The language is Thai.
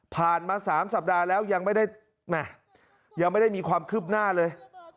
มา๓สัปดาห์แล้วยังไม่ได้ยังไม่ได้มีความคืบหน้าเลย